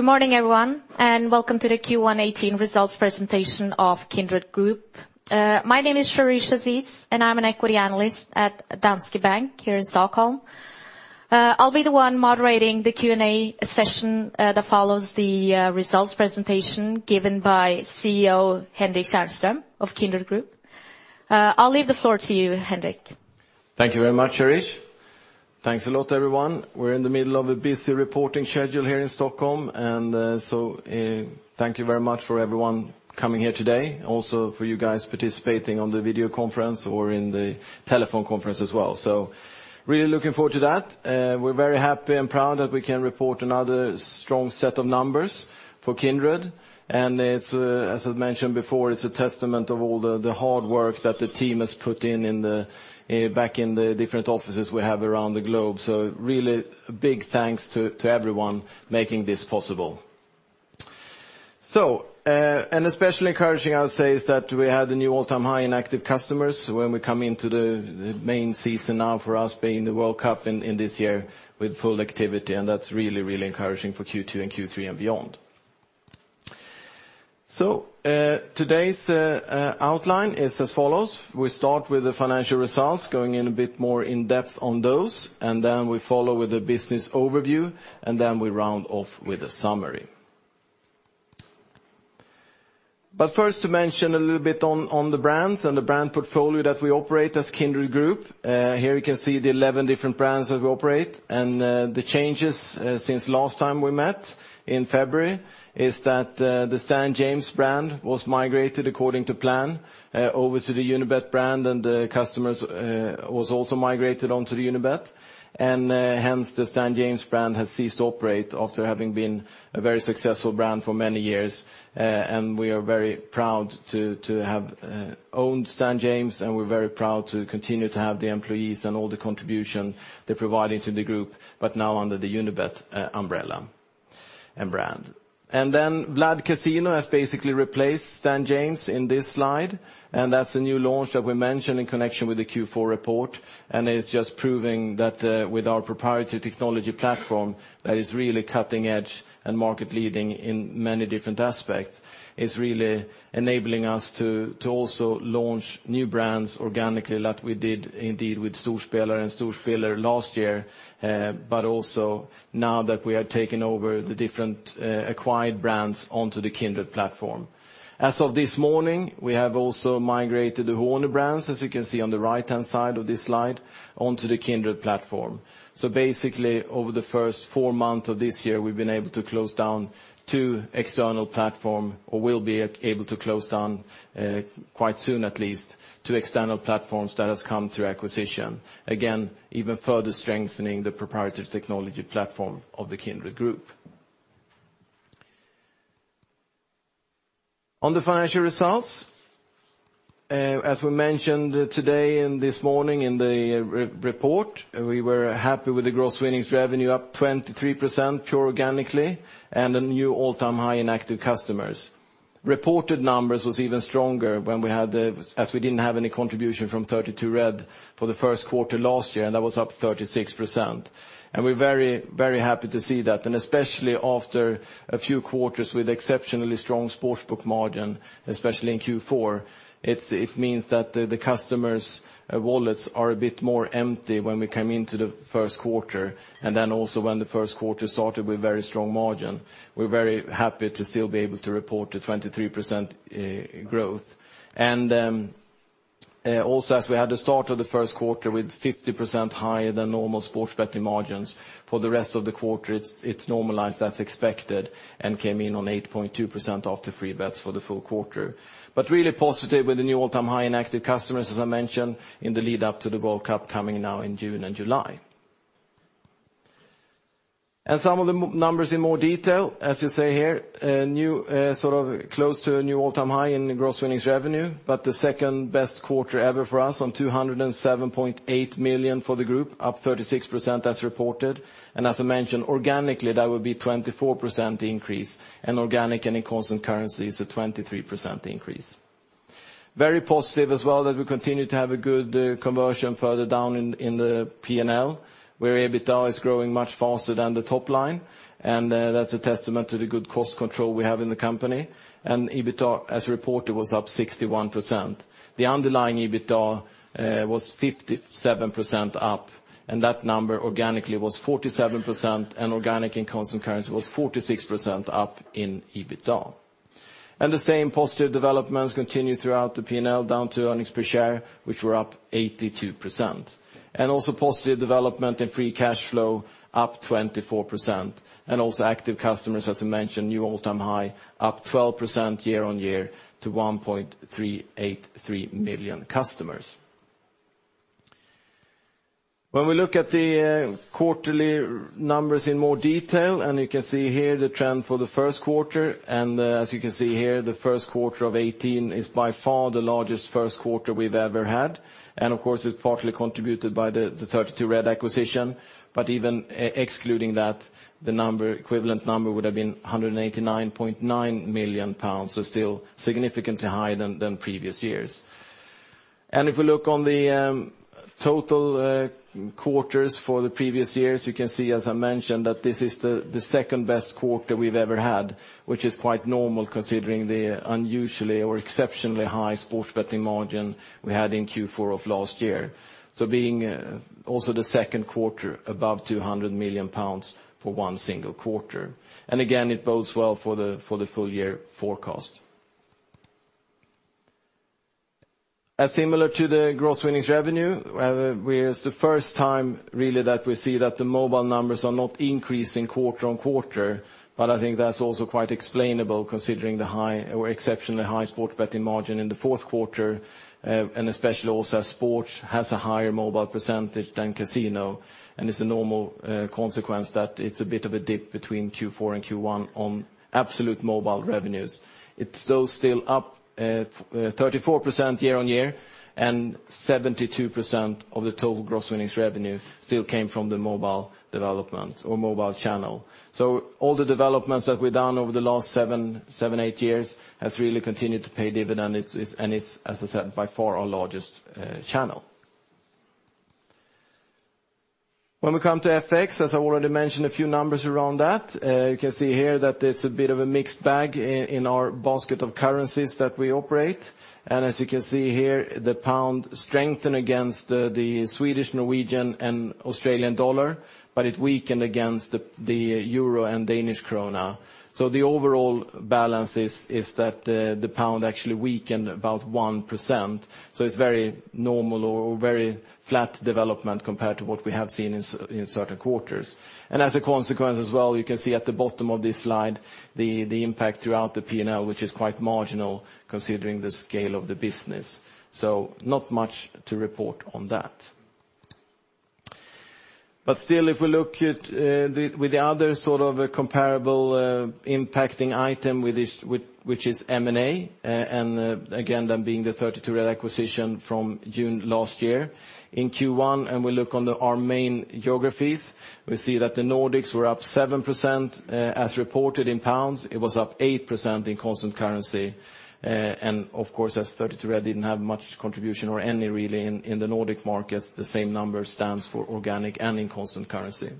Good morning, everyone, welcome to the Q118 results presentation of Kindred Group. My name is Sharish Aziz, I'm an equity analyst at Danske Bank here in Stockholm. I'll be the one moderating the Q&A session that follows the results presentation given by CEO Henrik Tjärnström of Kindred Group. I'll leave the floor to you, Henrik. Thank you very much, Sharish. Thanks a lot, everyone. We're in the middle of a busy reporting schedule here in Stockholm, thank you very much for everyone coming here today, also for you guys participating on the video conference or in the telephone conference as well. Really looking forward to that. We're very happy and proud that we can report another strong set of numbers for Kindred, as I've mentioned before, it's a testament of all the hard work that the team has put in back in the different offices we have around the globe. Really big thanks to everyone making this possible. Especially encouraging, I'll say, is that we had a new all-time high in active customers when we come into the main season now for us being the World Cup in this year with full activity, that's really encouraging for Q2 and Q3 and beyond. Today's outline is as follows. We start with the financial results, going in a bit more in-depth on those, then we follow with a business overview, then we round off with a summary. First to mention a little bit on the brands and the brand portfolio that we operate as Kindred Group. Here you can see the 11 different brands that we operate, the changes since last time we met in February is that the Stan James brand was migrated according to plan over to the Unibet brand, the customers was also migrated onto the Unibet. Hence, the Stan James brand has ceased to operate after having been a very successful brand for many years. We are very proud to have owned Stan James, we're very proud to continue to have the employees and all the contribution they're providing to the group, but now under the Unibet umbrella and brand. Then Vlad Cazino has basically replaced Stan James in this slide, that's a new launch that we mentioned in connection with the Q4 report, it's just proving that with our proprietary technology platform that is really cutting edge and market leading in many different aspects. It's really enabling us to also launch new brands organically, like we did indeed with Storspelare and Storspiller last year, but also now that we have taken over the different acquired brands onto the Kindred platform. As of this morning, we have also migrated the iGame brands, as you can see on the right-hand side of this slide, onto the Kindred platform. Basically, over the first four months of this year, we've been able to close down two external platforms, or will be able to close down, quite soon at least, two external platforms that has come through acquisition. Again, even further strengthening the proprietary technology platform of the Kindred Group. On the financial results, as we mentioned today and this morning in the report, we were happy with the gross winnings revenue up 23% pure organically, and a new all-time high in active customers. Reported numbers was even stronger as we didn't have any contribution from 32Red for the first quarter last year, and that was up 36%. We're very happy to see that, especially after a few quarters with exceptionally strong sports betting margin, especially in Q4, it means that the customers' wallets are a bit more empty when we come into the first quarter, then also when the first quarter started with very strong margin. We're very happy to still be able to report a 23% growth. Also as we had the start of the first quarter with 50% higher than normal sports betting margins. For the rest of the quarter, it's normalized as expected and came in on 8.2% after free bets for the full quarter. Really positive with the new all-time high in active customers, as I mentioned, in the lead up to the World Cup coming now in June and July. Some of the numbers in more detail, as you see here, close to a new all-time high in gross winnings revenue, the second-best quarter ever for us on 207.8 million for the Group, up 36% as reported. As I mentioned, organically, that would be 24% increase, organic and in constant currency is a 23% increase. Very positive as well that we continue to have a good conversion further down in the P&L, where EBITDA is growing much faster than the top line, that's a testament to the good cost control we have in the company. EBITDA, as reported, was up 61%. The underlying EBITDA was 57% up, that number organically was 47%, organic in constant currency was 46% up in EBITDA. The same positive developments continue throughout the P&L down to earnings per share, which were up 82%. Also positive development in free cash flow, up 24%, also active customers, as I mentioned, new all-time high, up 12% year-on-year to 1.383 million customers. When we look at the quarterly numbers in more detail, you can see here the trend for the first quarter, as you can see here, the first quarter of 2018 is by far the largest first quarter we've ever had. Of course, it's partly contributed by the 32Red acquisition, but even excluding that, the equivalent number would have been 189.9 million pounds, still significantly higher than previous years. If we look on the total quarters for the previous years, you can see, as I mentioned, that this is the second-best quarter we've ever had, which is quite normal considering the unusually or exceptionally high sports betting margin we had in Q4 of last year. Being also the second quarter above 200 million pounds for one single quarter. Again, it bodes well for the full year forecast. Similar to the gross winnings revenue, where it is the first time really that we see that the mobile numbers are not increasing quarter-on-quarter. That is also quite explainable considering the high or exceptionally high sports betting margin in the fourth quarter, and especially also as sports has a higher mobile percentage than casino, and it is a normal consequence that it is a bit of a dip between Q4 and Q1 on absolute mobile revenues. It is though still up 34% year-on-year, and 72% of the total gross winnings revenue still came from the mobile development or mobile channel. All the developments that we have done over the last 7, 8 years has really continued to pay dividends, and it is, as I said, by far our largest channel. When we come to FX, as I already mentioned, a few numbers around that. You can see here that it is a bit of a mixed bag in our basket of currencies that we operate. As you can see here, the pound strengthened against the Swedish, Norwegian, and Australian dollar, but it weakened against the EUR and Danish krone. The overall balance is that the pound actually weakened about 1%. It is very normal or very flat development compared to what we have seen in certain quarters. As a consequence as well, you can see at the bottom of this slide, the impact throughout the P&L, which is quite marginal considering the scale of the business. Not much to report on that. Still, if we look at with the other comparable impacting item, which is M&A, and again, that being the 32Red acquisition from June last year. In Q1, we look on our main geographies, we see that the Nordics were up 7%, as reported in GBP. It was up 8% in constant currency. Of course, as 32Red did not have much contribution or any really in the Nordic markets, the same number stands for organic and in constant currency.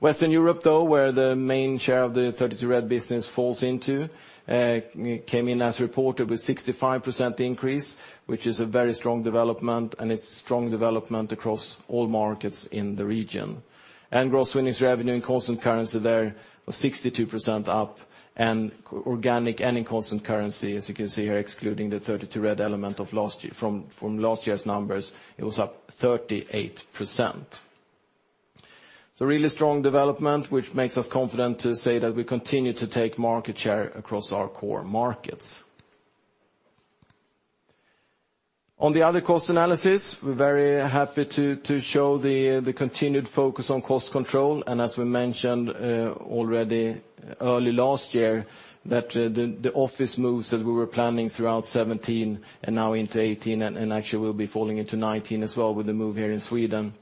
Western Europe, though, where the main share of the 32Red business falls into, came in as reported with 65% increase, which is a very strong development, and it is strong development across all markets in the region. Gross winnings revenue in constant currency there was 62% up and organic and in constant currency, as you can see here, excluding the 32Red element from last year's numbers, it was up 38%. Really strong development, which makes us confident to say that we continue to take market share across our core markets. On the other cost analysis, we are very happy to show the continued focus on cost control. As we mentioned already early last year that the office moves that we were planning throughout 2017 and now into 2018 and actually will be falling into 2019 as well with the move here in Sweden.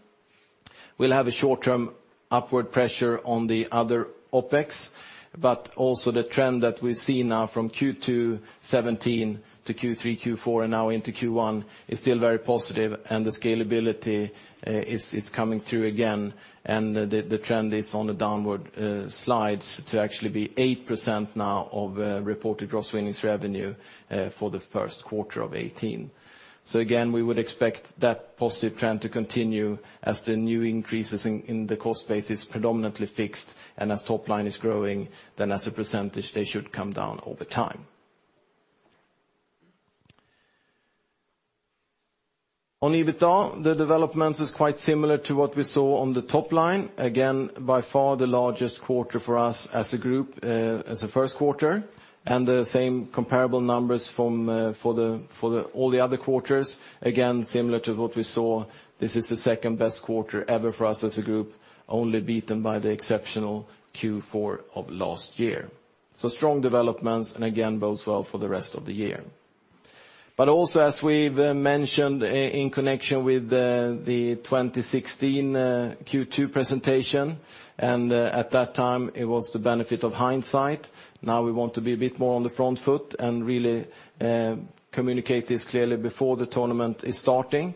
We'll have a short-term upward pressure on the other OpEx, but also the trend that we see now from Q2 2017 to Q3, Q4, and now into Q1 is still very positive and the scalability is coming through again, and the trend is on the downward slides to actually be 8% now of reported gross winnings revenue for the first quarter of 2018. Again, we would expect that positive trend to continue as the new increases in the cost base is predominantly fixed, and as top line is growing, then as a percentage, they should come down over time. On EBITDA, the development is quite similar to what we saw on the top line. Again, by far the largest quarter for us as a group, as a first quarter, and the same comparable numbers for all the other quarters. Again, similar to what we saw, this is the second-best quarter ever for us as a group, only beaten by the exceptional Q4 of last year. Strong developments, and again, bodes well for the rest of the year. Also, as we've mentioned in connection with the 2016 Q2 presentation, and at that time, it was the benefit of hindsight. Now we want to be a bit more on the front foot and really communicate this clearly before the tournament is starting.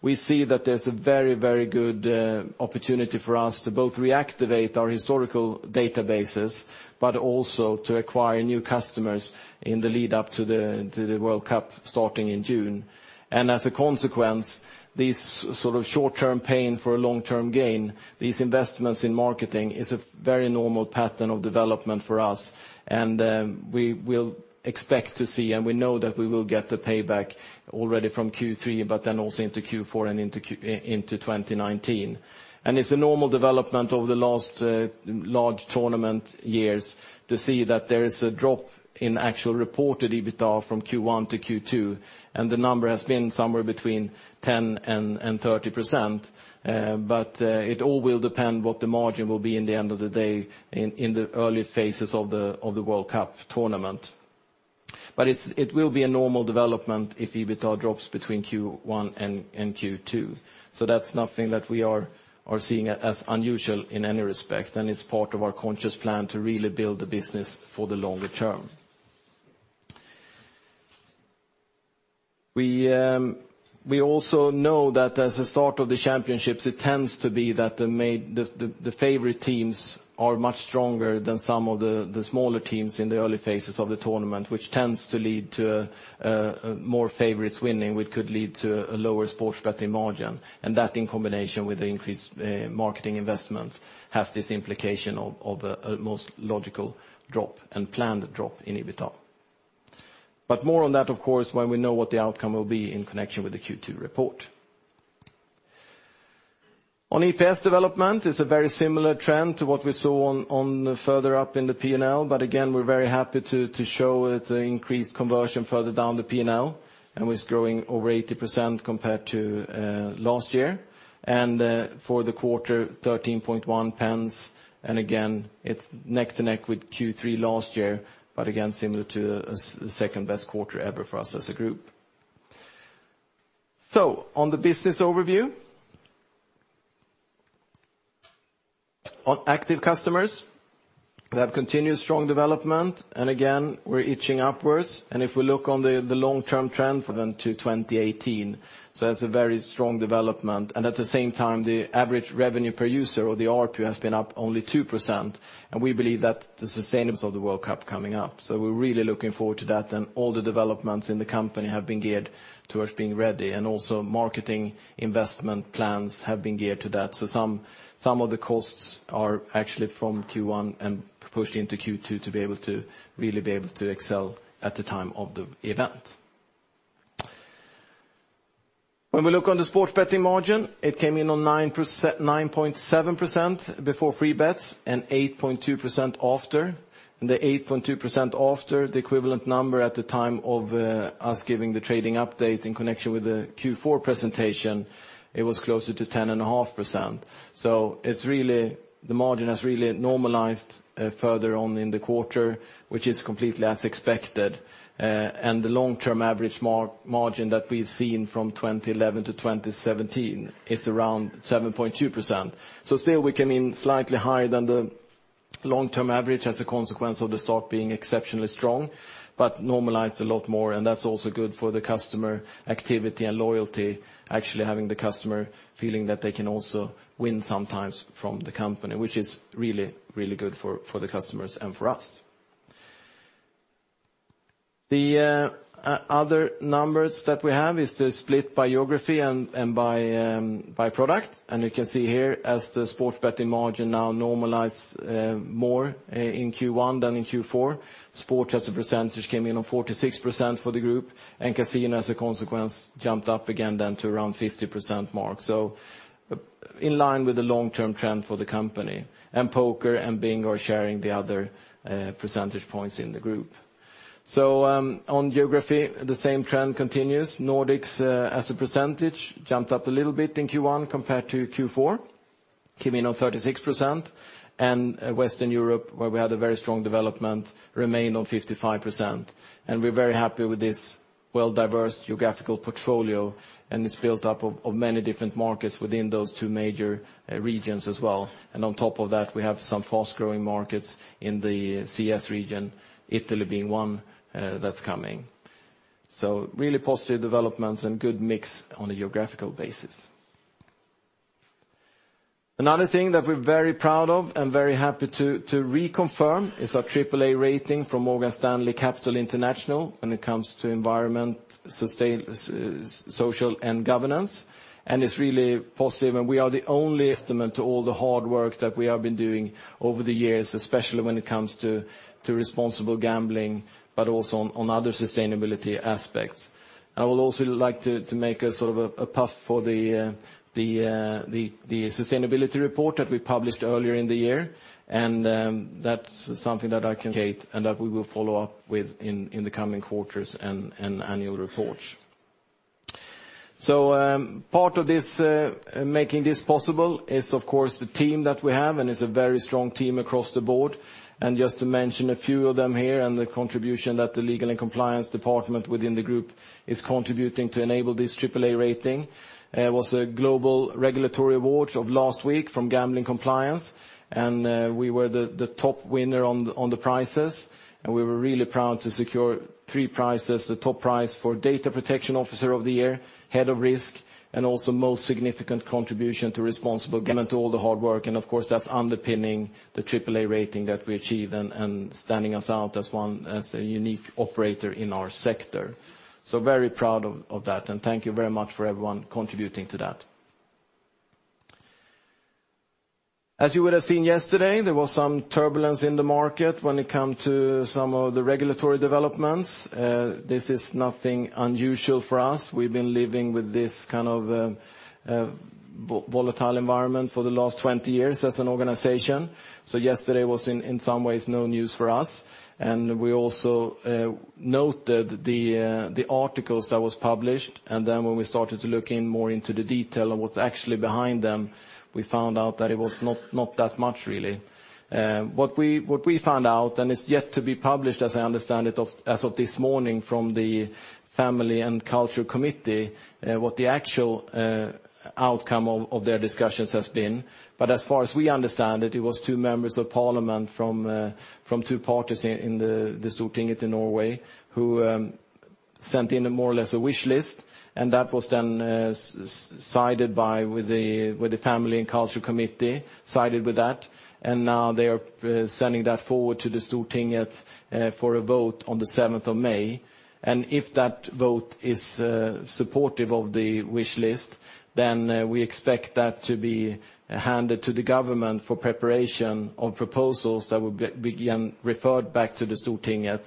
We see that there's a very good opportunity for us to both reactivate our historical databases, but also to acquire new customers in the lead up to the World Cup starting in June. As a consequence, these short-term pain for a long-term gain, these investments in marketing is a very normal pattern of development for us, and we will expect to see, and we know that we will get the payback already from Q3, but then also into Q4 and into 2019. It's a normal development over the last large tournament years to see that there is a drop in actual reported EBITDA from Q1 to Q2, and the number has been somewhere between 10% and 30%, but it all will depend what the margin will be in the end of the day in the early phases of the World Cup tournament. It will be a normal development if EBITDA drops between Q1 and Q2. That's nothing that we are seeing as unusual in any respect, and it's part of our conscious plan to really build the business for the longer term. We also know that as the start of the championships, it tends to be that the favorite teams are much stronger than some of the smaller teams in the early phases of the tournament, which tends to lead to more favorites winning, which could lead to a lower sports betting margin. That, in combination with the increased marketing investments, has this implication of a most logical drop and planned drop in EBITDA. More on that, of course, when we know what the outcome will be in connection with the Q2 report. On EPS development, it's a very similar trend to what we saw further up in the P&L. We're very happy to show it's increased conversion further down the P&L, we're growing over 80% compared to last year. For the quarter, 0.131. It's neck to neck with Q3 last year, but again, similar to the second-best quarter ever for us as a group. On the business overview. On active customers, we have continued strong development, we're itching upwards. If we look on the long-term trend from then to 2018, that's a very strong development. At the same time, the average revenue per user, or the ARPU, has been up only 2%. We believe that the sustainability of the World Cup coming up. We're really looking forward to that, and all the developments in the company have been geared towards being ready, and also marketing investment plans have been geared to that. Some of the costs are actually from Q1 and pushed into Q2 to really be able to excel at the time of the event. When we look on the sports betting margin, it came in on 9.7% before free bets and 8.2% after. The 8.2% after, the equivalent number at the time of us giving the trading update in connection with the Q4 presentation, it was closer to 10.5%. The margin has really normalized further on in the quarter, which is completely as expected. The long-term average margin that we've seen from 2011 to 2017 is around 7.2%. Still, we came in slightly higher than the long-term average as a consequence of the start being exceptionally strong, but normalized a lot more, and that's also good for the customer activity and loyalty, actually having the customer feeling that they can also win sometimes from the company, which is really, really good for the customers and for us. The other numbers that we have is the split by geography and by product. You can see here as the sports betting margin now normalized more in Q1 than in Q4, sports as a percentage came in on 46% for the group, and casino, as a consequence, jumped up again then to around 50% mark. In line with the long-term trend for the company. Poker and bingo are sharing the other percentage points in the group. On geography, the same trend continues. Nordics as a percentage jumped up a little bit in Q1 compared to Q4, came in on 36%, Western Europe, where we had a very strong development, remained on 55%. We're very happy with this well-diversed geographical portfolio, and it's built up of many different markets within those two major regions as well. On top of that, we have some fast-growing markets in the CS region, Italy being one that's coming. Really positive developments and good mix on a geographical basis. Another thing that we're very proud of and very happy to reconfirm is our AAA rating from Morgan Stanley Capital International when it comes to environment, social, and governance, it's really positive, we are the only testament to all the hard work that we have been doing over the years, especially when it comes to responsible gambling, but also on other sustainability aspects. I would also like to make a sort of a puff for the sustainability report that we published earlier in the year. That's something that I can take and that we will follow up with in the coming quarters and annual reports. Part of making this possible is, of course, the team that we have. It's a very strong team across the board. Just to mention a few of them here and the contribution that the legal and compliance department within the group is contributing to enable this AAA rating. It was a global regulatory award of last week from Gambling Compliance. We were the top winner on the prizes. We were really proud to secure 3 prizes, the top prize for data protection officer of the year, head of risk, and also most significant contribution to responsible gambling to all the hard work. Of course, that's underpinning the AAA rating that we achieved and standing us out as a unique operator in our sector. Very proud of that, and thank you very much for everyone contributing to that. As you would have seen yesterday, there was some turbulence in the market when it comes to some of the regulatory developments. This is nothing unusual for us. We've been living with this kind of volatile environment for the last 20 years as an organization. Yesterday was, in some ways, no news for us. We also noted the articles that was published. When we started to look in more into the detail of what's actually behind them, we found out that it was not that much really. What we found out, and it's yet to be published, as I understand it, as of this morning from the Family and Culture Committee, what the actual outcome of their discussions has been. As far as we understand it was two members of Parliament from two parties in the Stortinget in Norway who sent in more or less a wish list. That was then sided by with the Family and Culture Committee, sided with that. Now they are sending that forward to the Stortinget for a vote on the 7th of May. If that vote is supportive of the wish list, we expect that to be handed to the government for preparation of proposals that will be again referred back to the Stortinget.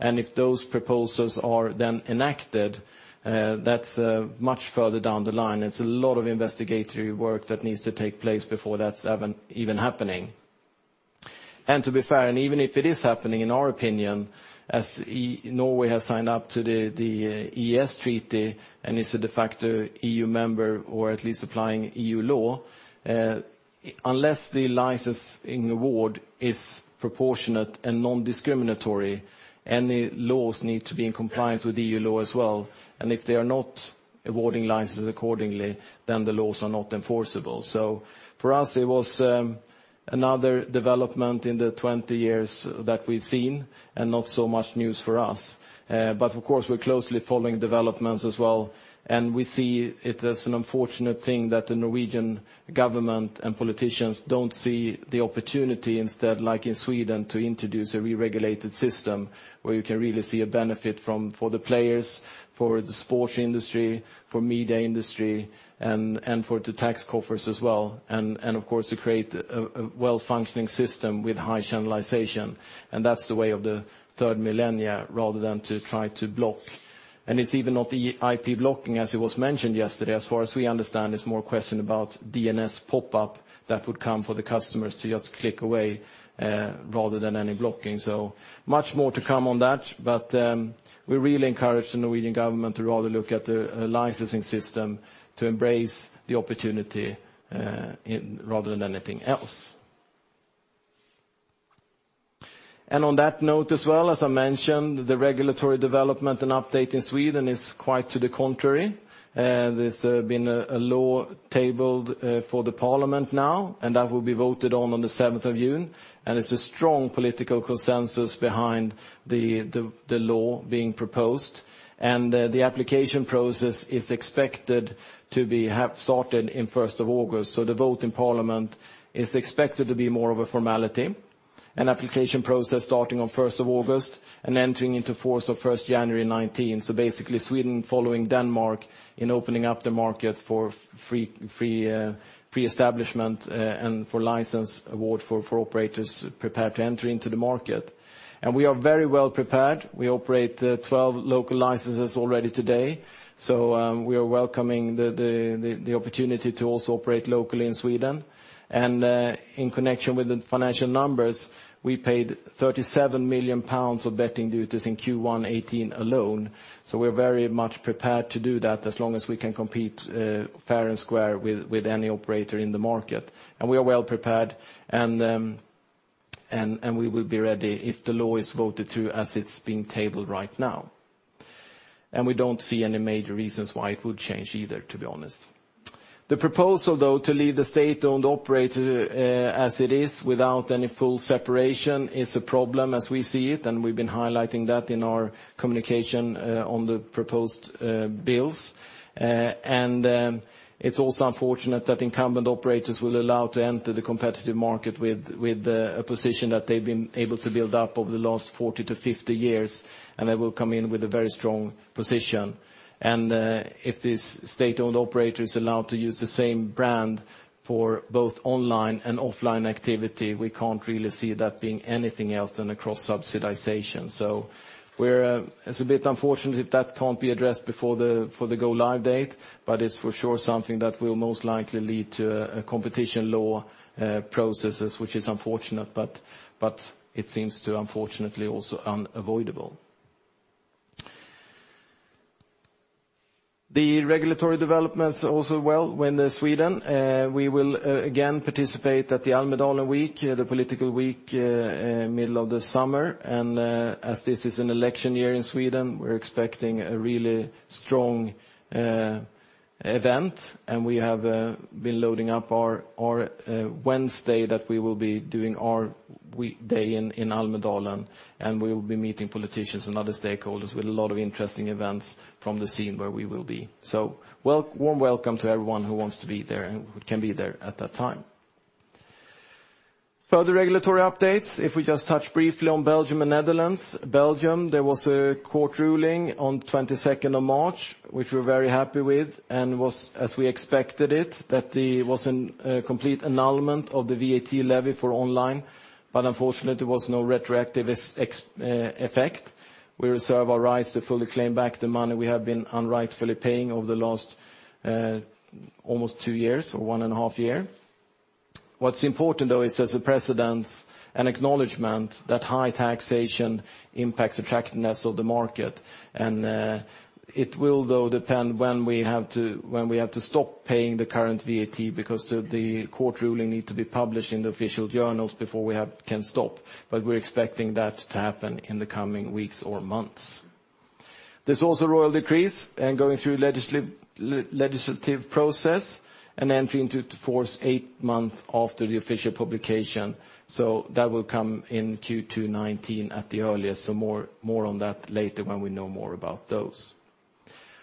If those proposals are then enacted, that's much further down the line. It's a lot of investigatory work that needs to take place before that's even happening. To be fair, even if it is happening, in our opinion, as Norway has signed up to the EEA Agreement and is a de facto EU member or at least applying EU law, unless the licensing award is proportionate and non-discriminatory, any laws need to be in compliance with EU law as well. If they are not awarding licenses accordingly, then the laws are not enforceable. For us, it was another development in the 20 years that we've seen and not so much news for us. Of course, we're closely following developments as well, and we see it as an unfortunate thing that the Norwegian Government and politicians don't see the opportunity instead, like in Sweden, to introduce a regulated system where you can really see a benefit for the players, for the sports industry, for media industry, and for the tax coffers as well. Of course, to create a well-functioning system with high channelization. That's the way of the third millennium rather than to try to block. It's even not the IP blocking as it was mentioned yesterday. As far as we understand, it's more a question about DNS pop-up that would come for the customers to just click away rather than any blocking. Much more to come on that, we really encourage the Norwegian Government to rather look at the licensing system to embrace the opportunity rather than anything else. On that note as well, as I mentioned, the regulatory development and update in Sweden is quite to the contrary. There's been a law tabled for the Parliament now, and that will be voted on the 7th of June. It's a strong political consensus behind the law being proposed. The application process is expected to be started in 1st of August. The vote in Parliament is expected to be more of a formality. An application process starting on 1st of August and entering into force of 1st January 2019. Basically Sweden following Denmark in opening up the market for free establishment and for license award for operators prepared to enter into the market. We are very well prepared. We operate 12 local licenses already today. We are welcoming the opportunity to also operate locally in Sweden. In connection with the financial numbers, we paid 37 million pounds of betting duties in Q1 2018 alone. We're very much prepared to do that as long as we can compete fair and square with any operator in the market. We are well prepared, and we will be ready if the law is voted through as it's being tabled right now. We don't see any major reasons why it would change either, to be honest. The proposal, though, to leave the state-owned operator as it is without any full separation is a problem as we see it, and we've been highlighting that in our communication on the proposed bills. It's also unfortunate that incumbent operators will allow to enter the competitive market with a position that they've been able to build up over the last 40 to 50 years, and they will come in with a very strong position. If this state-owned operator is allowed to use the same brand for both online and offline activity, we can't really see that being anything else than a cross-subsidization. It's a bit unfortunate if that can't be addressed before the go live date, it's for sure something that will most likely lead to competition law processes, which is unfortunate, it seems to, unfortunately, also unavoidable. The regulatory developments also well with Sweden. We will again participate at the Almedalen Week, the political week middle of the summer. As this is an election year in Sweden, we're expecting a really strong event, and we have been loading up our Wednesday that we will be doing our day in Almedalen, and we will be meeting politicians and other stakeholders with a lot of interesting events from the scene where we will be. Warm welcome to everyone who wants to be there and who can be there at that time. Further regulatory updates. If we just touch briefly on Belgium and Netherlands. Belgium, there was a court ruling on 22nd of March, which we're very happy with, and was as we expected it, that it was a complete annulment of the VAT levy for online, unfortunately, there was no retroactive effect. We reserve our right to fully claim back the money we have been unrightfully paying over the last almost two years or one and a half year. What's important, though, is as a precedent, an acknowledgment that high taxation impacts attractiveness of the market. It will, though, depend when we have to stop paying the current VAT because the court ruling need to be published in the official journals before we can stop. We're expecting that to happen in the coming weeks or months. There's also Royal Decrees going through legislative process and entering into force eight months after the official publication. That will come in Q2 2019 at the earliest. More on that later when we know more about those.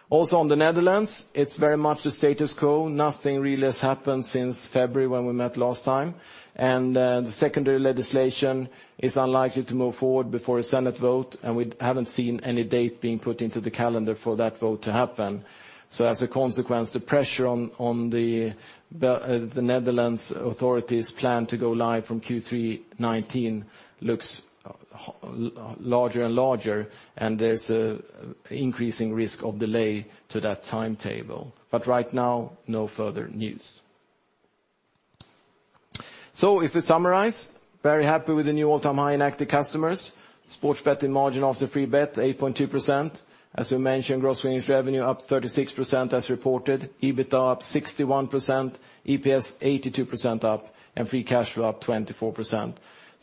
Also in the Netherlands, it's very much the status quo. Nothing really has happened since February when we met last time. The secondary legislation is unlikely to move forward before a Senate vote, and we haven't seen any date being put into the calendar for that vote to happen. As a consequence, the pressure on the Netherlands authorities' plan to go live from Q3 2019 looks larger and larger, and there's an increasing risk of delay to that timetable. Right now, no further news. If we summarize, very happy with the new all-time high in active customers. Sports betting margin after free bet, 8.2%. As we mentioned, gross gaming revenue up 36% as reported, EBITDA up 61%, EPS 82% up, and free cash flow up 24%.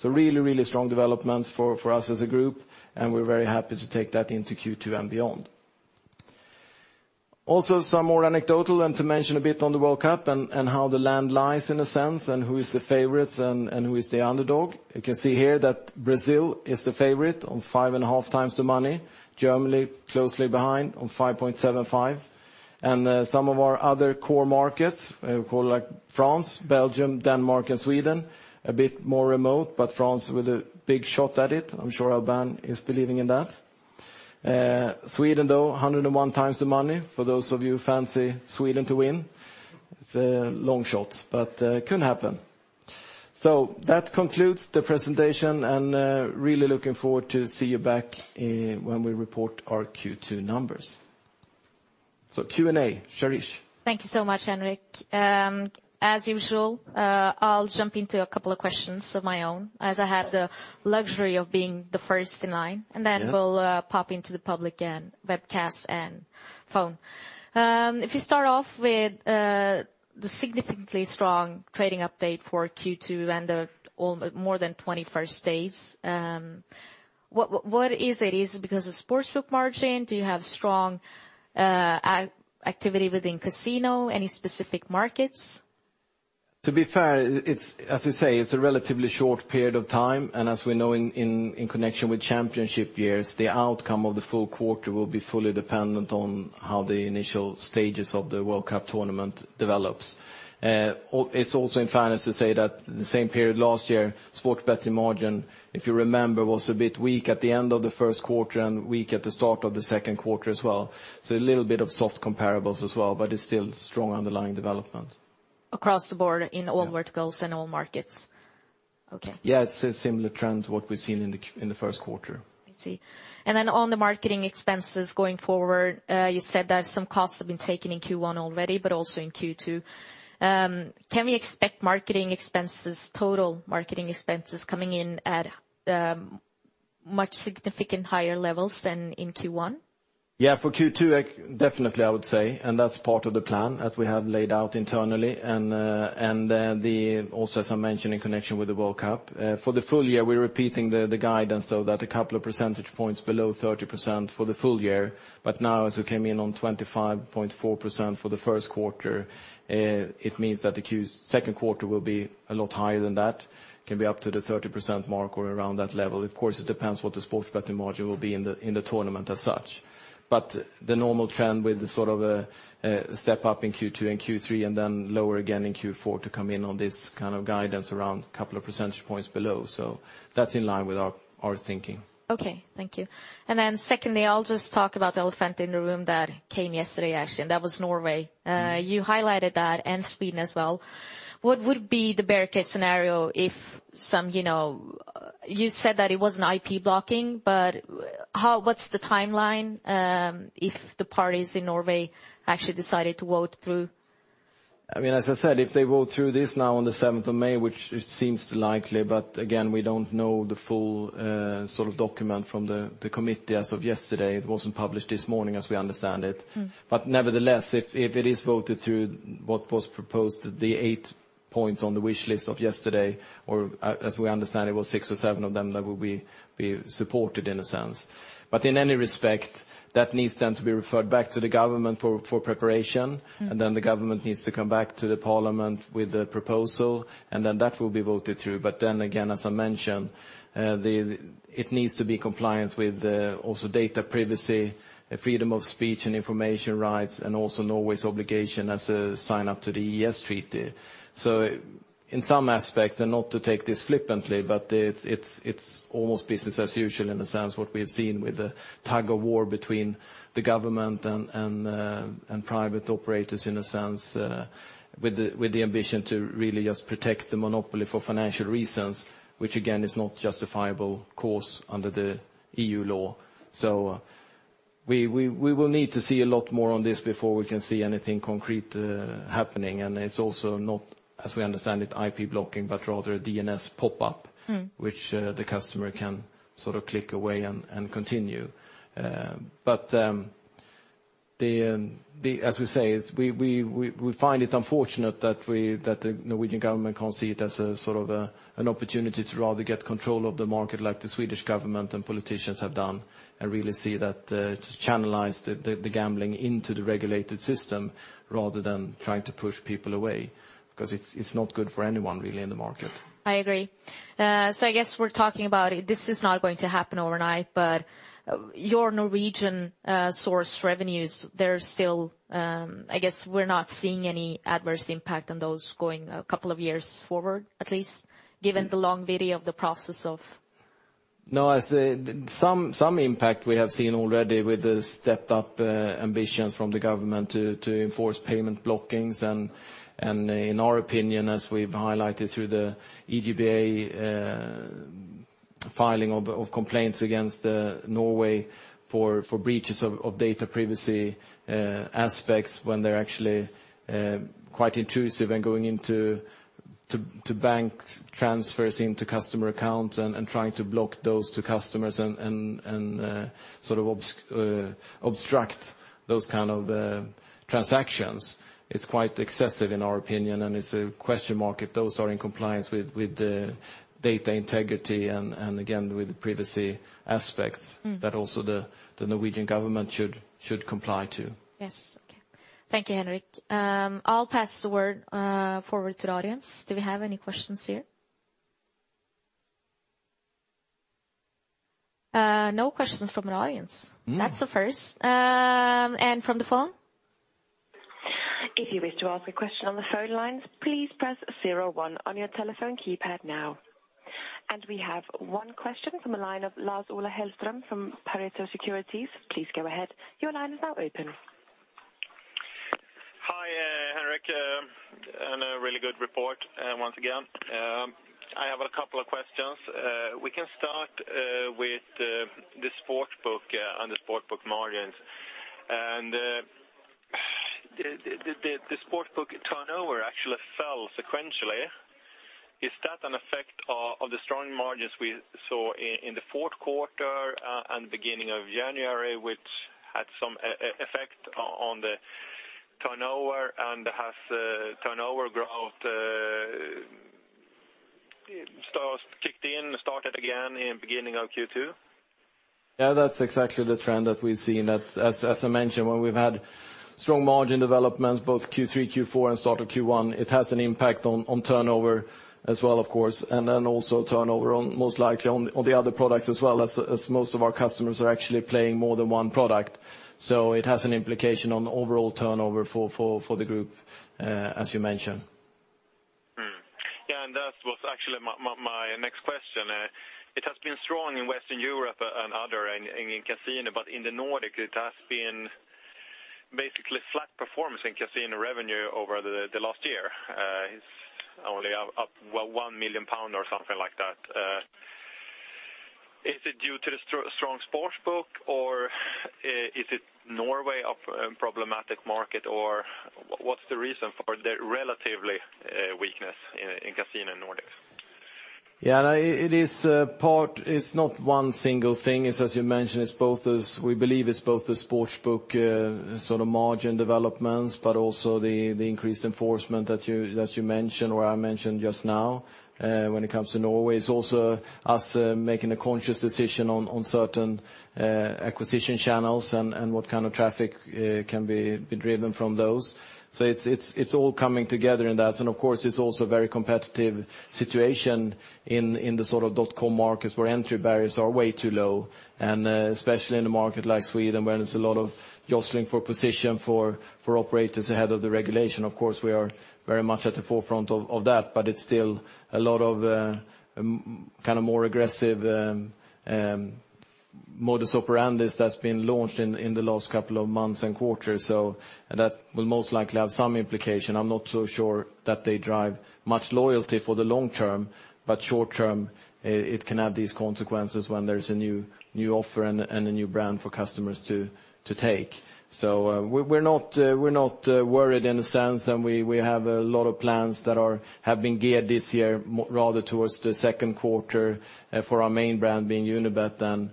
Really strong developments for us as a group, and we're very happy to take that into Q2 and beyond. Also, some more anecdotal, to mention a bit on the World Cup and how the land lies in a sense, and who is the favorites and who is the underdog. You can see here that Brazil is the favorite on five and a half times the money, Germany closely behind on 5.75. Some of our other core markets, call like France, Belgium, Denmark, and Sweden, a bit more remote, but France with a big shot at it. I'm sure Albin is believing in that. Sweden, though, 101 times the money for those of you who fancy Sweden to win. It's a long shot, but could happen. That concludes the presentation, and really looking forward to see you back when we report our Q2 numbers. Q&A, Sharish. Thank you so much, Henrik. As usual, I will jump into a couple of questions of my own as I had the luxury of being the first in line. Yeah. Then we will pop into the public and webcast and phone. If you start off with the significantly strong trading update for Q2 and the more than 21 days. What is it? Is it because of sports betting margin? Do you have strong activity within casino? Any specific markets? To be fair, as we say, it is a relatively short period of time, and as we know in connection with championship years, the outcome of the full quarter will be fully dependent on how the initial stages of the World Cup tournament develops. It is also in finance to say that the same period last year, sports betting margin, if you remember, was a bit weak at the end of the first quarter and weak at the start of the second quarter as well. A little bit of soft comparables as well, but it is still strong underlying development. Across the board in all verticals and all markets? Okay. Yeah, it's a similar trend to what we've seen in the first quarter. I see. Then on the marketing expenses going forward, you said that some costs have been taken in Q1 already, but also in Q2. Can we expect total marketing expenses coming in at much significant higher levels than in Q1? Yeah, for Q2, definitely, I would say, that's part of the plan that we have laid out internally, also as I mentioned in connection with the World Cup. For the full year, we're repeating the guidance that a couple of percentage points below 30% for the full year, but now as we came in on 25.4% for the first quarter, it means that the second quarter will be a lot higher than that. Can be up to the 30% mark or around that level. Of course, it depends what the sports betting margin will be in the tournament as such. The normal trend with the sort of a step up in Q2 and Q3, then lower again in Q4 to come in on this kind of guidance around a couple of percentage points below. That's in line with our thinking. Okay, thank you. Then secondly, I'll just talk about the elephant in the room that came yesterday, actually, that was Norway. You highlighted that and Sweden as well. What would be the bear case scenario if You said that it wasn't IP blocking, but what's the timeline if the parties in Norway actually decided to vote through? As I said, if they vote through this now on the 7th of May, which it seems likely, but again, we don't know the full document from the committee as of yesterday. It wasn't published this morning as we understand it. Nevertheless, if it is voted through what was proposed, the eight points on the wish list of yesterday, or as we understand, it was six or seven of them that will be supported in a sense. In any respect, that needs then to be referred back to the government for preparation. The government needs to come back to the parliament with the proposal, and then that will be voted through. Again, as I mentioned, it needs to be compliant with also data privacy, freedom of speech and information rights, and also Norway's obligation as a sign-up to the EEA Agreement. In some aspects, and not to take this flippantly, but it's almost business as usual in a sense, what we've seen with the tug of war between the government and private operators in a sense, with the ambition to really just protect the monopoly for financial reasons, which again, is not justifiable cause under the EU law. We will need to see a lot more on this before we can see anything concrete happening, and it's also not, as we understand it, IP blocking, but rather a DNS pop-up- which the customer can click away and continue. As we say, we find it unfortunate that the Norwegian government can't see it as sort of an opportunity to rather get control of the market like the Swedish government and politicians have done and really see that to channelize the gambling into the regulated system rather than trying to push people away, because it's not good for anyone, really, in the market. I agree. I guess we're talking about this is not going to happen overnight, but your Norwegian source revenues, I guess we're not seeing any adverse impact on those going a couple of years forward, at least, given the long period of the process of. No, some impact we have seen already with the stepped up ambition from the government to enforce payment blockings. In our opinion, as we've highlighted through the EGBA filing of complaints against Norway for breaches of data privacy aspects when they're actually quite intrusive and going into bank transfers into customer accounts and trying to block those to customers and sort of obstruct those kind of transactions. It's quite excessive in our opinion, and it's a question mark if those are in compliance with the data integrity and again, with the privacy aspects that also the Norwegian government should comply to. Yes. Okay. Thank you, Henrik. I'll pass the word forward to the audience. Do we have any questions here? No questions from the audience. No. That's a first. From the phone? If you wish to ask a question on the phone lines, please press zero one on your telephone keypad now. We have one question from the line of Lars-Ola Hellström from Pareto Securities. Please go ahead. Your line is now open. Hi, Henrik, and a really good report once again. I have a couple of questions. We can start with the sportsbook and the sportsbook margins. The sportsbook turnover actually fell sequentially. Is that an effect of the strong margins we saw in the fourth quarter and beginning of January, which had some effect on the turnover and has turnover growth kicked in, started again in beginning of Q2? Yeah, that's exactly the trend that we've seen. As I mentioned, when we've had strong margin developments, both Q3, Q4, and start of Q1, it has an impact on turnover as well, of course, and then also turnover on most likely on the other products as well as most of our customers are actually playing more than one product. So it has an implication on the overall turnover for the group, as you mentioned. Yeah, that was actually my next question. It has been strong in Western Europe and other, in casino, but in the Nordic it has been basically flat performance in casino revenue over the last year. It's only up 1 million pounds or something like that. Is it due to the strong sportsbook, or is it Norway a problematic market, or what's the reason for the relatively weakness in casino in Nordic? Yeah, it's not one single thing. It's as you mentioned, we believe it's both the sports book sort of margin developments, also the increased enforcement that you mentioned or I mentioned just now when it comes to Norway. It's also us making a conscious decision on certain acquisition channels and what kind of traffic can be driven from those. It's all coming together in that, of course, it's also a very competitive situation in the sort of dot-com markets where entry barriers are way too low, especially in a market like Sweden, where there's a lot of jostling for position for operators ahead of the regulation. Of course, we are very much at the forefront of that, it's still a lot of kind of more aggressive modus operandi that's been launched in the last couple of months and quarters. That will most likely have some implication. I'm not so sure that they drive much loyalty for the long term, short term it can have these consequences when there's a new offer and a new brand for customers to take. We're not worried in a sense, we have a lot of plans that have been geared this year, rather towards the second quarter for our main brand being Unibet then,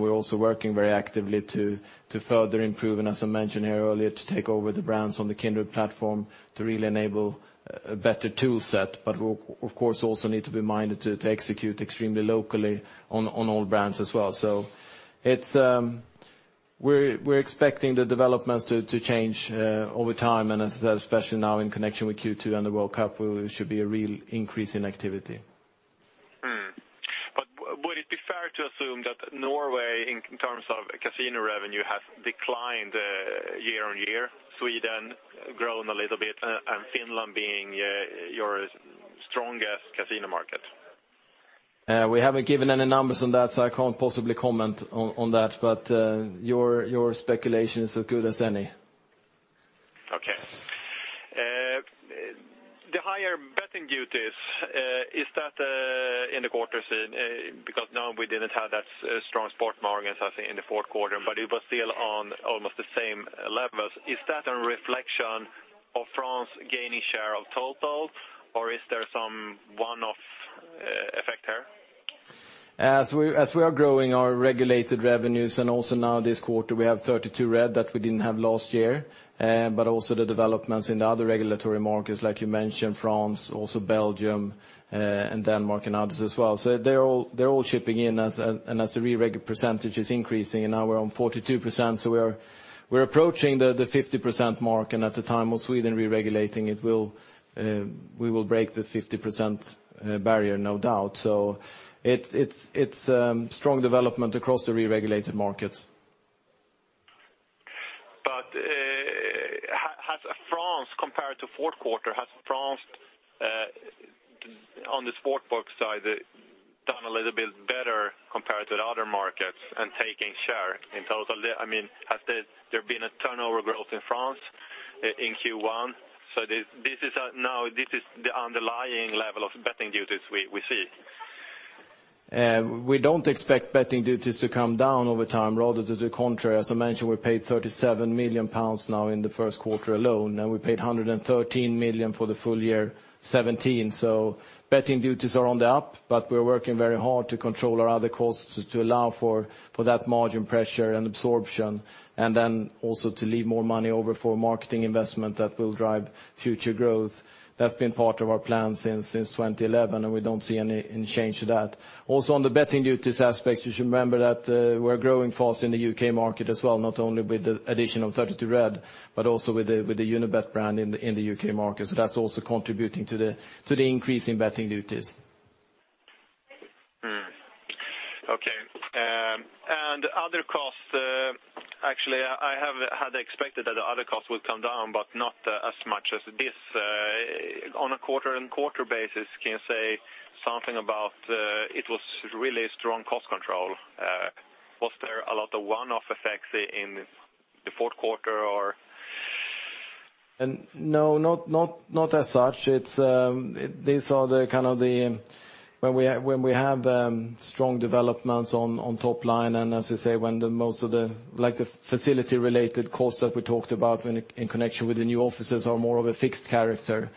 we're also working very actively to further improve, as I mentioned here earlier, to take over the brands on the Kindred platform to really enable a better tool set. We'll of course also need to be minded to execute extremely locally on all brands as well. We're expecting the developments to change over time, especially now in connection with Q2 and the World Cup, should be a real increase in activity. Would it be fair to assume that Norway, in terms of casino revenue, has declined year-on-year, Sweden grown a little bit, Finland being your strongest casino market? We haven't given any numbers on that, I can't possibly comment on that. Your speculation is as good as any. Okay. The higher betting duties, is that in the quarter? Now we didn't have that strong sports margins as in the fourth quarter, it was still on almost the same levels. Is that a reflection of France gaining share of total, or is there some one-off effect there? As we are growing our regulated revenues and also now this quarter, we have 32Red that we didn't have last year. Also the developments in the other regulatory markets, like you mentioned, France, also Belgium, and Denmark, and others as well. They're all chipping in, and as the re-regulated percentage is increasing, now we're on 42%, we're approaching the 50% mark, and at the time of Sweden re-regulating we will break the 50% barrier, no doubt. It's strong development across the re-regulated markets. The fourth quarter has promised on the sportsbook side, done a little bit better compared to other markets and taking share in total. Has there been a turnover growth in France in Q1? This is now the underlying level of betting duties we see. We don't expect betting duties to come down over time, rather to the contrary. As I mentioned, we paid 37 million pounds now in the first quarter alone. We paid 113 million for the full year 2017. Betting duties are on the up, but we're working very hard to control our other costs to allow for that margin pressure and absorption, to leave more money over for marketing investment that will drive future growth. That's been part of our plan since 2011, and we don't see any change to that. On the betting duties aspect, you should remember that we're growing fast in the U.K. market as well, not only with the addition of 32Red, but also with the Unibet brand in the U.K. market. That's also contributing to the increase in betting duties. Okay. Other costs, actually, I had expected that the other costs would come down, but not as much as this on a quarter-over-quarter basis. Can you say something about it was really strong cost control. Was there a lot of one-off effects in the fourth quarter or? No, not as such. When we have strong developments on top line and as I say, when the most of the facility related costs that we talked about in connection with the new offices are more of a fixed character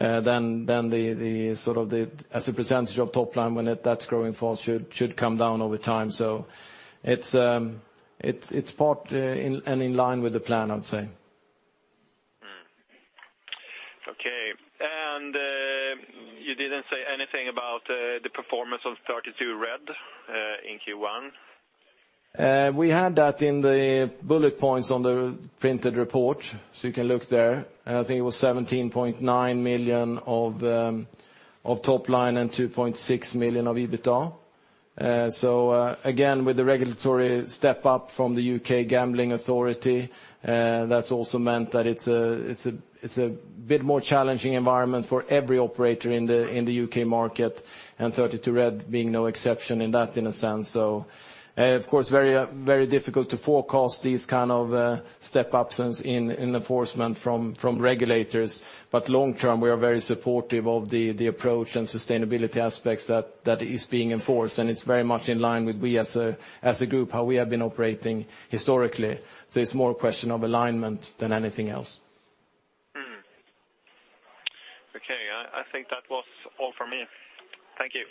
than as a percentage of top line when that's growing forward should come down over time. It's part and in line with the plan, I'd say. Okay. You didn't say anything about the performance of 32Red in Q1. We had that in the bullet points on the printed report, you can look there. I think it was 17.9 million of top line and 2.6 million of EBITDA. Again, with the regulatory step up from the UK Gambling Commission, that's also meant that it's a bit more challenging environment for every operator in the U.K. market and 32Red being no exception in that in a sense. Of course, very difficult to forecast these kind of step-ups in enforcement from regulators. Long-term, we are very supportive of the approach and sustainability aspects that is being enforced, and it's very much in line with we as a group, how we have been operating historically. It's more a question of alignment than anything else. Okay. I think that was all for me. Thank you.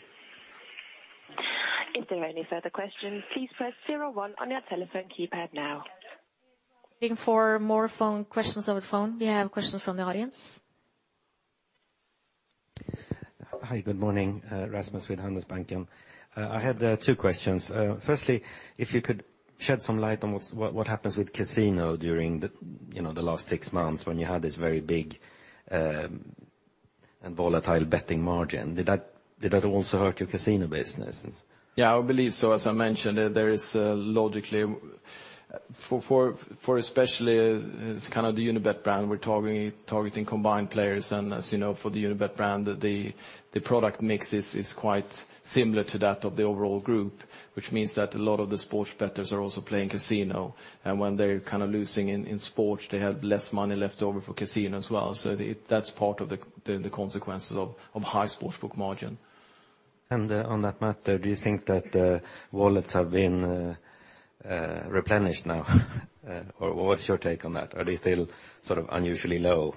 If there are any further questions, please press zero one on your telephone keypad now. Looking for more phone questions over the phone. We have questions from the audience. Hi, good morning. Rasmus with Handelsbanken. I had two questions. Firstly, if you could shed some light on what happens with casino during the last six months when you had this very big and volatile betting margin. Did that also hurt your casino business? Yeah, I believe so. As I mentioned, there is logically for especially kind of the Unibet brand, we're targeting combined players and as you know, for the Unibet brand, the product mix is quite similar to that of the overall group, which means that a lot of the sports bettors are also playing casino, and when they're kind of losing in sports, they have less money left over for casino as well. That's part of the consequences of high sports betting margin. On that matter, do you think that wallets have been replenished now or what's your take on that? Are they still sort of unusually low?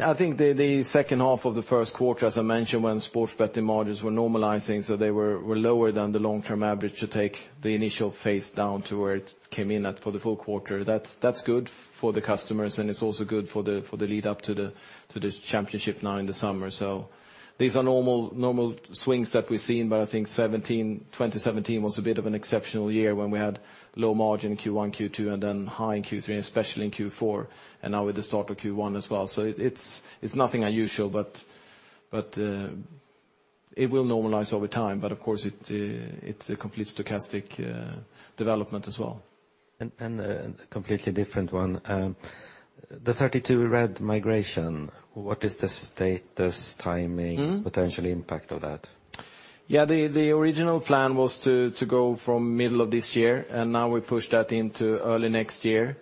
I think the second half of the first quarter, as I mentioned, when sports betting margins were normalizing, they were lower than the long-term average to take the initial phase down to where it came in at for the full quarter. That's good for the customers, and it's also good for the lead up to the championship now in the summer. These are normal swings that we've seen, I think 2017 was a bit of an exceptional year when we had low margin Q1, Q2, and then high in Q3, especially in Q4, and now with the start of Q1 as well. It's nothing unusual, but it will normalize over time. Of course, it's a complete stochastic development as well. A completely different one. The 32Red migration, what is the status, timing- -potential impact of that? The original plan was to go from middle of this year, and now we push that into early next year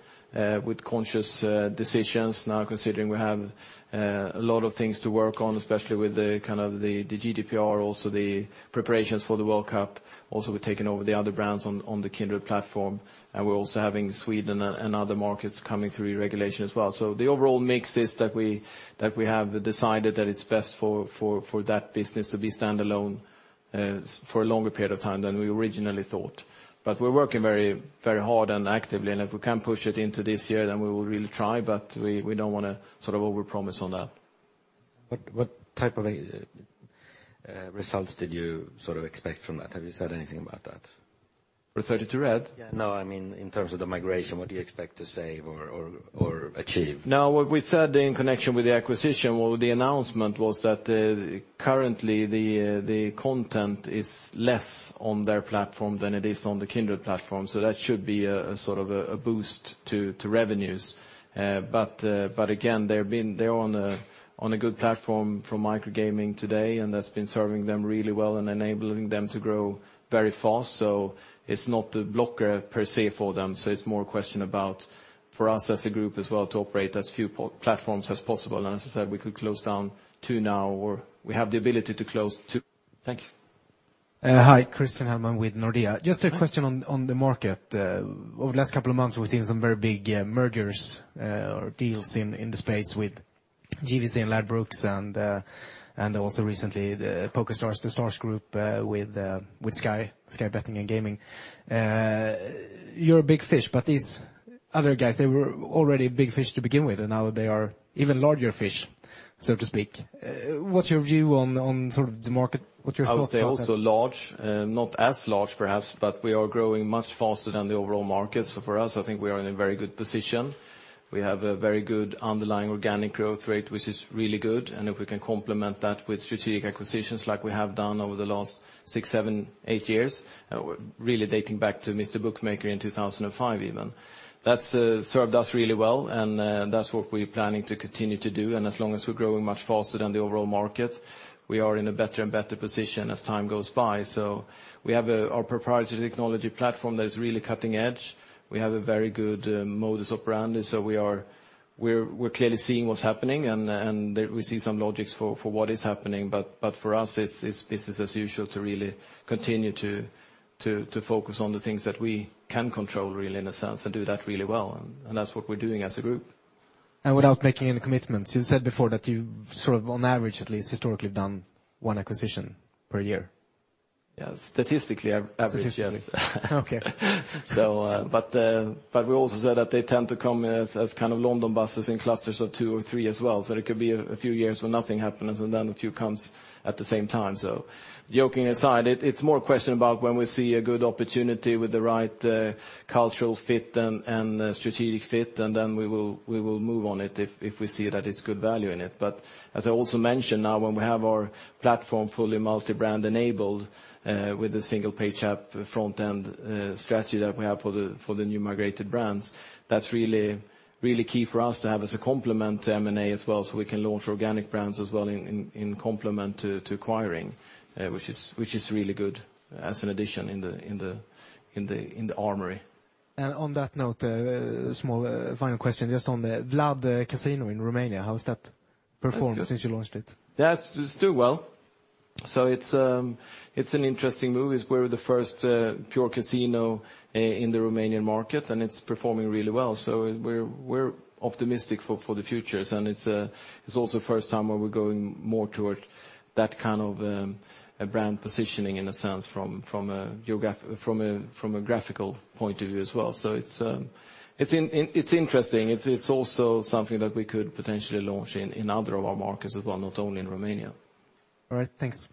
with conscious decisions now considering we have a lot of things to work on, especially with the kind of the GDPR, also the preparations for the World Cup. We're taking over the other brands on the Kindred platform, and we're also having Sweden and other markets coming through regulation as well. The overall mix is that we have decided that it's best for that business to be standalone for a longer period of time than we originally thought. We're working very hard and actively, and if we can push it into this year, then we will really try, but we don't want to overpromise on that. What type of results did you sort of expect from that? Have you said anything about that? 32Red? Yeah, no, in terms of the migration, what do you expect to save or achieve? What we said in connection with the acquisition or the announcement was that currently the content is less on their platform than it is on the Kindred platform. That should be a boost to revenues. Again, they're on a good platform from Microgaming today, and that's been serving them really well and enabling them to grow very fast. It's not a blocker per se for them. It's more a question about, for us as a group as well, to operate as few platforms as possible. As I said, we could close down two now, or we have the ability to close two. Thank you. Hi. Christian Hellman with Nordea. Just a question on the market. Over the last couple of months, we've seen some very big mergers or deals in the space with GVC and Ladbrokes and also recently the PokerStars, The Stars Group with Sky Betting & Gaming. You're a big fish, but these other guys, they were already big fish to begin with, and now they are even larger fish, so to speak. What's your view on the market? What's your thoughts on that? They're also large, not as large perhaps, but we are growing much faster than the overall market. For us, I think we are in a very good position. We have a very good underlying organic growth rate, which is really good. If we can complement that with strategic acquisitions like we have done over the last six, seven, eight years, really dating back to Mr. Bookmaker in 2005 even. That's served us really well, and that's what we're planning to continue to do. As long as we're growing much faster than the overall market, we are in a better and better position as time goes by. We have our proprietary technology platform that is really cutting edge. We have a very good modus operandi, so we're clearly seeing what's happening, and we see some logics for what is happening. For us, it's business as usual to really continue to focus on the things that we can control, really, in a sense, and do that really well. That's what we're doing as a group. Without making any commitments, you said before that you, on average, at least historically, have done one acquisition per year. Yeah, statistically, on average, yes. Okay. We also said that they tend to come as kind of London buses in clusters of two or three as well. It could be a few years where nothing happens, and then a few come at the same time. Joking aside, it's more a question about when we see a good opportunity with the right cultural fit and strategic fit, and then we will move on it if we see that it's good value in it. As I also mentioned, now when we have our platform fully multi-brand enabled with the single page app front-end strategy that we have for the new migrated brands, that's really key for us to have as a complement to M&A as well, so we can launch organic brands as well in complement to acquiring, which is really good as an addition in the armory. On that note, a small final question just on the Vlad Cazino in Romania. How has that performed since you launched it? That's doing well. It's an interesting move. We're the first pure casino in the Romanian market, and it's performing really well. We're optimistic for the future. It's also the first time where we're going more toward that kind of a brand positioning in a sense from a graphical point of view as well. It's interesting. It's also something that we could potentially launch in other of our markets as well, not only in Romania. All right. Thanks.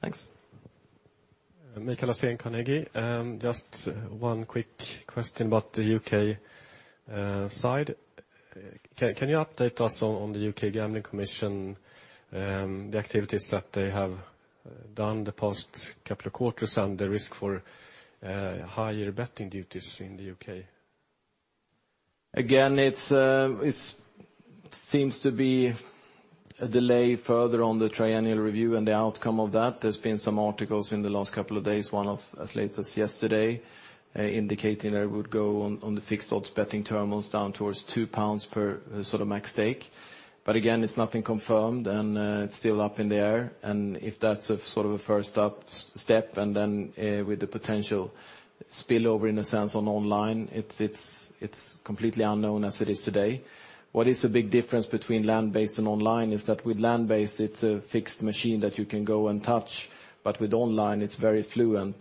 Thanks. Mikael Laséen, Carnegie. Just one quick question about the U.K. side. Can you update us on the U.K. Gambling Commission, the activities that they have done the past couple of quarters and the risk for higher betting duties in the U.K.? It seems to be a delay further on the triennial review and the outcome of that. There's been some articles in the last couple of days, one as late as yesterday, indicating that it would go on the fixed odds betting terminals down towards 2 pounds per max stake. Again, it's nothing confirmed, and it's still up in the air. If that's a first step, with the potential spillover, in a sense, on online, it's completely unknown as it is today. What is a big difference between land-based and online is that with land-based, it's a fixed machine that you can go and touch, but with online, it's very fluent.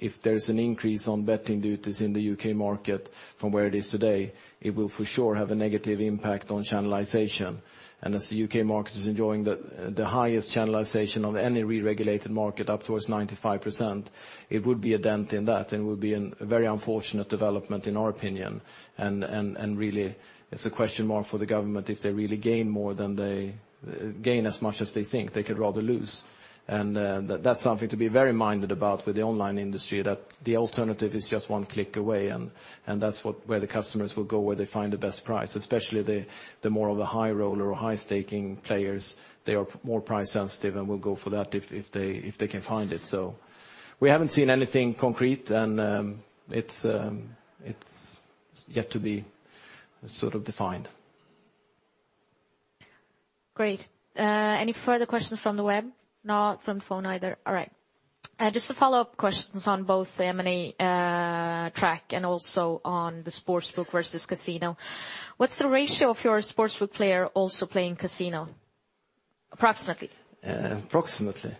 If there's an increase on betting duties in the U.K. market from where it is today, it will for sure have a negative impact on channelization. As the U.K. market is enjoying the highest channelization of any re-regulated market up towards 95%, it would be a dent in that, it would be a very unfortunate development, in our opinion. Really, it's a question mark for the government if they really gain as much as they think. They could rather lose. That's something to be very minded about with the online industry, that the alternative is just one click away, that's where the customers will go where they find the best price, especially the more of a high-roller or high-staking players. They are more price sensitive and will go for that if they can find it. We haven't seen anything concrete, and it's yet to be defined. Great. Any further questions from the web? No, from phone either. All right. Just a follow-up question on both the M&A track and also on the sportsbook versus casino. What's the ratio of your sportsbook player also playing casino, approximately? Approximately?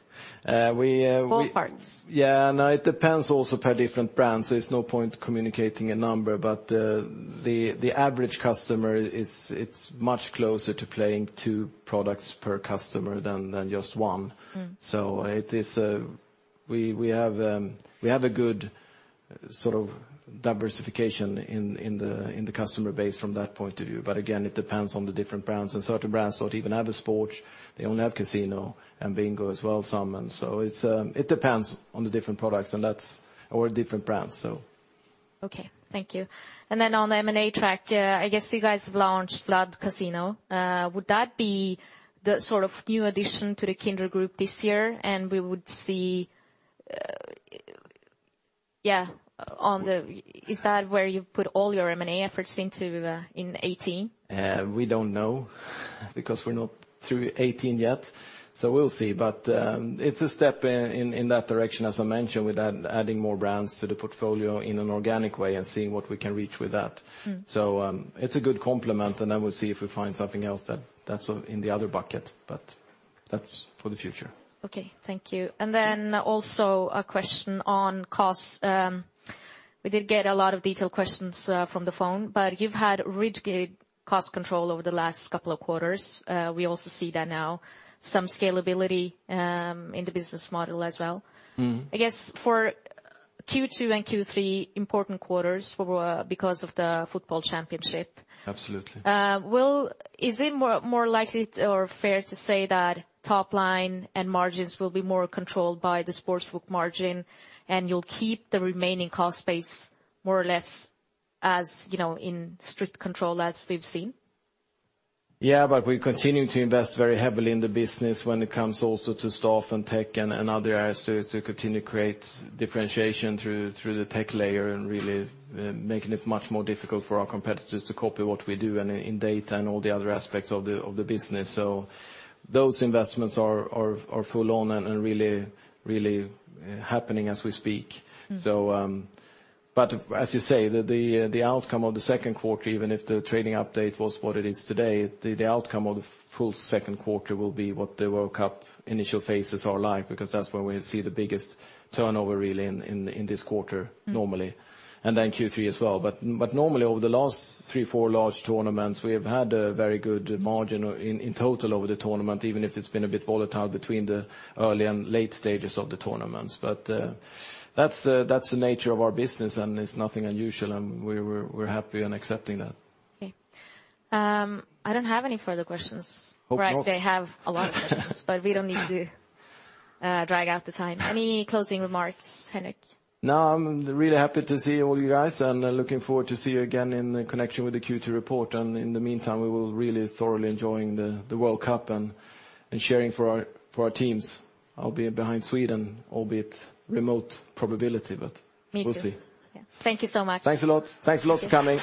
Both parts. Yeah, no, it depends also per different brands, so there's no point communicating a number. The average customer, it's much closer to playing two products per customer than just one. We have a good diversification in the customer base from that point of view. Again, it depends on the different brands, and certain brands don't even have a sports, they only have casino and bingo as well, some. So it depends on the different products or different brands. Okay, thank you. Then on the M&A track, I guess you guys have launched Vlad Cazino. Would that be the new addition to the Kindred Group this year? Is that where you've put all your M&A efforts into in 2018? We don't know because we're not through 2018 yet, we'll see. It's a step in that direction, as I mentioned, with adding more brands to the portfolio in an organic way and seeing what we can reach with that. It's a good complement, we'll see if we find something else that's in the other bucket, that's for the future. Okay, thank you. Also a question on costs. We did get a lot of detailed questions from the phone, you've had rigid cost control over the last couple of quarters. We also see that now some scalability in the business model as well. I guess for Q2 and Q3, important quarters because of the football championship. Absolutely. Is it more likely or fair to say that top-line and margins will be more controlled by the sportsbook margin, and you'll keep the remaining cost base more or less in strict control as we've seen? Yeah, we continue to invest very heavily in the business when it comes also to staff and tech and other areas to continue to create differentiation through the tech layer and really making it much more difficult for our competitors to copy what we do, and in data and all the other aspects of the business. Those investments are full on and really happening as we speak. As you say, the outcome of the second quarter, even if the trading update was what it is today, the outcome of the full second quarter will be what the World Cup initial phases are like, because that's where we see the biggest turnover, really, in this quarter normally, and then Q3 as well. Normally, over the last three, four large tournaments, we have had a very good margin in total over the tournament, even if it's been a bit volatile between the early and late stages of the tournaments. That's the nature of our business, and it's nothing unusual, and we're happy and accepting that. Okay. I don't have any further questions. Hope not. Actually, I have a lot of questions, but we don't need to drag out the time. Any closing remarks, Henrik? No, I'm really happy to see all you guys, looking forward to see you again in connection with the Q2 report. In the meantime, we will really thoroughly enjoy the World Cup and cheering for our teams. I'll be behind Sweden, albeit remote probability, but we'll see. Me too. Yeah. Thank you so much. Thanks a lot. Thanks a lot for coming.